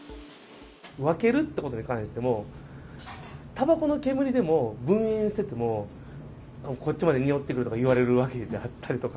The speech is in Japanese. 分けるっていうことに関しても、たばこの煙でも分煙してても、こっちまで臭ってくるって言われるわけであったりとか。